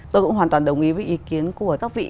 tôi cũng hoàn toàn đồng ý với ý kiến của các vị